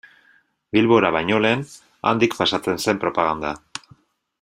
Bilbora baino lehen, handik pasatzen zen propaganda.